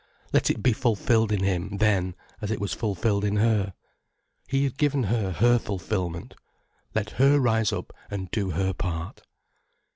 Let it be fulfilled in him, then, as it was fulfilled in her. He had given her her fulfilment. Let her rise up and do her part.